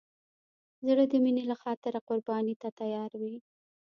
زړه د مینې له خاطره قرباني ته تیار وي.